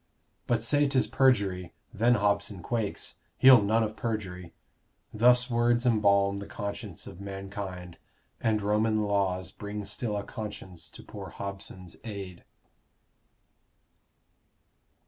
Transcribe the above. But say 'tis perjury, then Hobson quakes He'll none of perjury. Thus words embalm The conscience of mankind: and Roman laws Bring still a conscience to poor Hobson's aid.